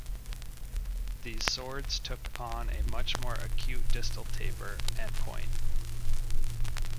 These swords took on a much more acute distal taper and point.